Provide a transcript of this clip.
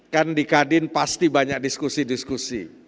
kan di kadin pasti banyak diskusi diskusi